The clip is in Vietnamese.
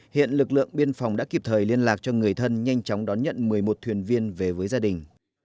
hiện lực lượng biên phòng đã kịp thời liên lạc cho người thân nhanh chóng đón nhận một mươi một thuyền viên về với gia đình